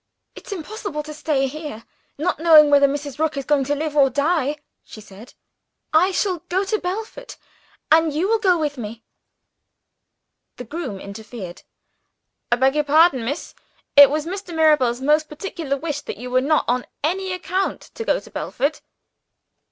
"It's impossible to stay here, not knowing whether Mrs. Rook is going to live or die," she said. "I shall go to Belford and you will go with me." The groom interfered. "I beg your pardon, miss. It was Mr. Mirabel's most particular wish that you were not, on any account, to go to Belford."